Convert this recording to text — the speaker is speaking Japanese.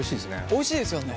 おいしいですよね。